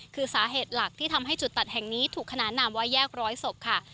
คือสาเหตุหลักที่ทำให้จุดตัดแห่งนี้ถูกขนานนามว่าแยกร้อยศพค่ะ